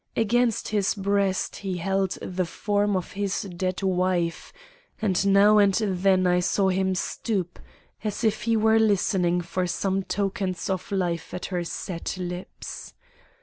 Against his breast he held the form of his dead wife, and now and then I saw him stoop as if he were listening for some tokens of life at her set lips.